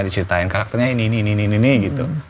diceritain karakternya ini ini ini ini ini ini gitu